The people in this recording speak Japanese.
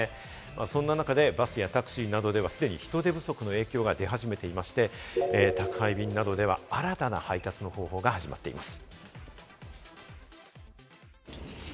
そんな中でバスやタクシーなどでは、既に人手不足の影響が出始めていまして、宅配便などでは新たな配達の方法が始まっています。